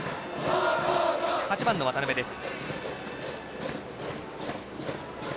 ８番の渡辺です。